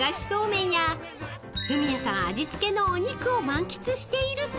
［フミヤさん味付けのお肉を満喫していると］